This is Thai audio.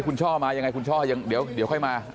คุณช่อมายังไงคุณช่อยังเดี๋ยวค่อยมา